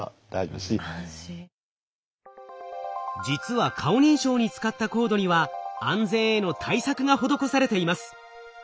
実は顔認証に使ったコードには安全への対策が施されています。